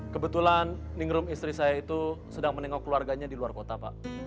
kebetulan ningrum istri saya itu sedang menengok keluarganya di luar kota pak